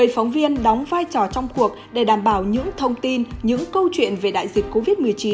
một mươi phóng viên đóng vai trò trong cuộc để đảm bảo những thông tin những câu chuyện về đại dịch covid một mươi chín